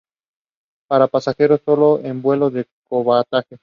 Para pasajeros solo en vuelos de cabotaje.